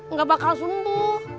nggak bakal sembuh